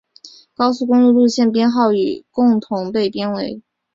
高速公路路线编号与共同被编为。